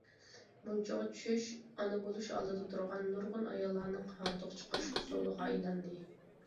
مۇنچىغا چۈشۈش ئانا بولۇش ئالدىدا تۇرغان نۇرغۇن ئاياللارنىڭ ھاردۇق چىقىرىش ئۇسۇلىغا ئايلاندى.